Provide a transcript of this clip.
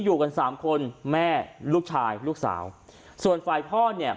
อยู่กันสามคนแม่ลูกชายลูกสาวส่วนฝ่ายพ่อเนี่ย